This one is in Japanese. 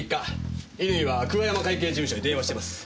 乾は久我山会計事務所に電話してます。